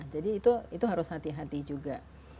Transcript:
itu harus hati hati juga